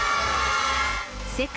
世界